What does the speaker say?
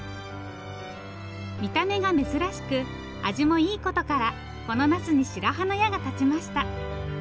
見た目が珍しく味もいいことからこのナスに白羽の矢が立ちました。